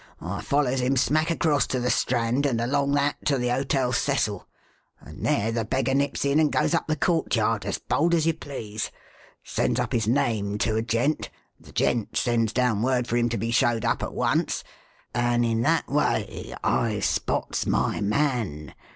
I follers him smack across to the Strand and along that to the Hotel Cecil, and there the beggar nips in and goes up the courtyard as bold as you please, sends up his name to a gent, the gent sends down word for him to be showed up at once, and in that way I spots my man.